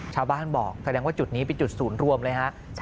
ชาวบ้านบอกแสดงว่าจุดนี้เป็นจุดศูนย์รวมเลยฮะ